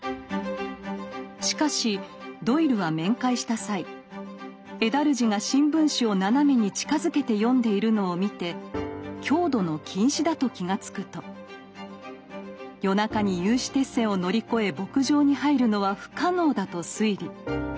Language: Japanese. しかしドイルは面会した際エダルジが新聞紙を斜めに近づけて読んでいるのを見て強度の近視だと気が付くと夜中に有刺鉄線を乗り越え牧場に入るのは不可能だと推理。